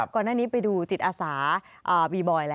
ก่อนหน้านี้ไปดูจิตอาสาบีบอย์แล้ว